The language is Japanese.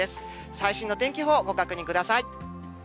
最新の天気予報、ご確認ください。